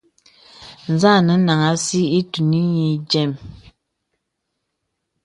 Zà ànə nāŋhàŋ àsī itūn nï dīəm.